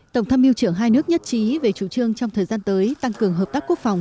tổng tham mưu trưởng hai nước nhất trí về chủ trương trong thời gian tới tăng cường hợp tác quốc phòng